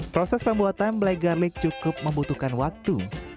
proses pembuatan black garlic cukup membutuhkan waktu